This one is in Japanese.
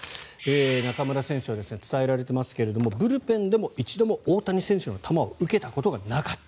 中村選手は伝えられていますがブルペンでも一度も大谷選手の球を受けたことがなかった。